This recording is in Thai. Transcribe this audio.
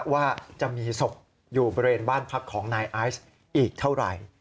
ว่าจะมีศพอยู่บริเวณบ้านพักของนายไอซ์อีกเท่าไหร่